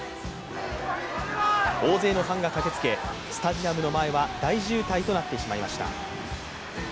大勢のファンが駆けつけ、スタジアムの前は大渋滞となってしまいました。